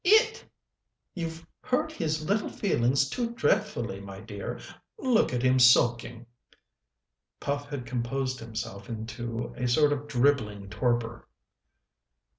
It! You've hurt his little feelings too dreadfully, my dear look at him sulking!" Puff had composed himself into a sort of dribbling torpor.